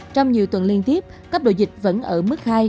trong nhiều tuần liên tiếp cấp độ dịch vẫn ở mức hai